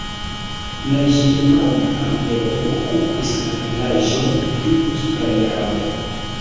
La ĝermana armeo okupis la vilaĝon dum kvar jaroj.